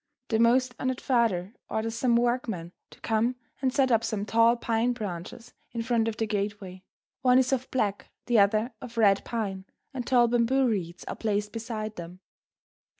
The most honoured father orders some workmen to come and set up some tall pine branches in front of the gateway. One is of black, the other of red pine, and tall bamboo reeds are placed beside them.